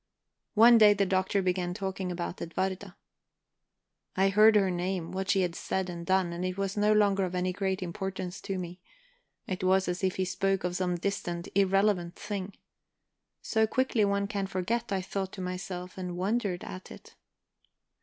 One day the Doctor began talking about Edwarda. I heard her name, heard what she had said and done, and it was no longer of any great importance to me; it was as if he spoke of some distant, irrelevant thing. So quickly one can forget, I thought to myself, and wondered at it.